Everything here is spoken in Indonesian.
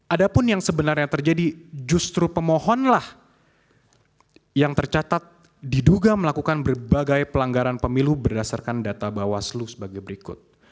ada pun yang sebenarnya terjadi justru pemohonlah yang tercatat diduga melakukan berbagai pelanggaran pemilu berdasarkan data bawaslu sebagai berikut